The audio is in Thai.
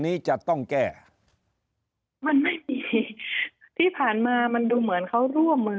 นี้จะต้องแก้มันไม่มีที่ผ่านมามันดูเหมือนเขาร่วมมือ